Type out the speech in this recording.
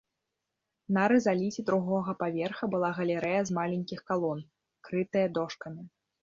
На рызаліце другога паверха была галерэя з маленькіх калон, крытая дошкамі.